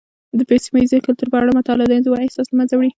د سيمه یيزو کلتورونو په اړه مطالعه، د انزوا احساس له منځه وړي.